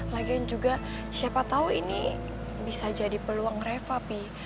lagian juga siapa tau ini bisa jadi peluang reva pih